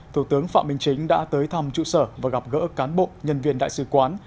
thủ tướng phạm minh chính đã tới thăm trụ sở và gặp gỡ cán bộ nhân viên đại sứ quán